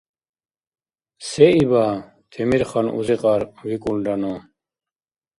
— Се иба, Темирхан-узикьар? — викӀулра ну.